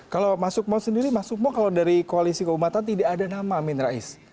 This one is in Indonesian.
kalau masuk mau sendiri masuk mau kalau dari koalisi keumatan tidak ada nama amin rais